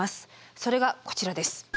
それがこちらです。